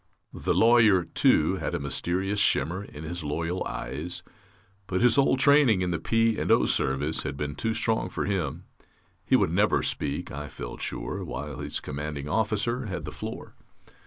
The Lawyer, too, had a mysterious shimmer in his loyal eyes, but his old training in the P. and O. service had been too strong for him. He would never speak, I felt sure, while his commanding officer had the floor.